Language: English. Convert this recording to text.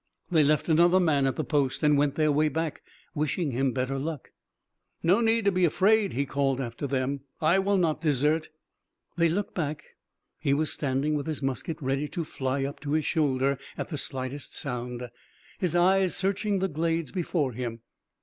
They left another man at the post, and went their way back, wishing him better luck. "No need to be afraid," he called after them, "I will not desert." They looked back. He was standing with his musket ready to fly up to his shoulder at the slightest sound, his eyes searching the glades before him.